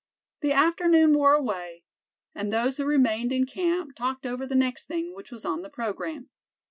The afternoon wore away, and those who remained in camp talked over the next thing which was on the programme.